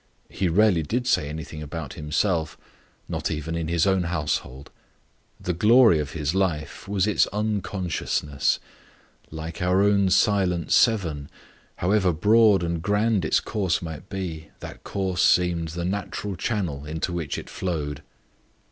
He rarely did say anything about himself not even in his own household. The glory of his life was its unconsciousness like our own silent Severn, however broad and grand its current might be, that course seemed the natural channel into which it flowed.